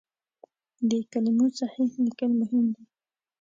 د کلمو صحیح لیک مهم دی.